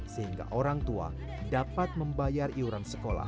sehingga orang tua dapat membayar iuran sekolah